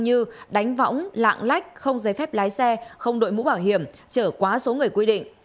như đánh võng lạng lách không giấy phép lái xe không đội mũ bảo hiểm trở quá số người quy định